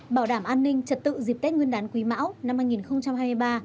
bảo đảm an ninh trật tự dịp tết nguyên đán quý mão năm hai nghìn hai mươi ba